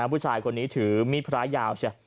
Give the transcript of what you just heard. ผู้ชายคนนี้ถือมิดพระยาวชะ